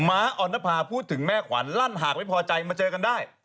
้าออนภาพูดถึงแม่ขวัญลั่นหากไม่พอใจมาเจอกันได้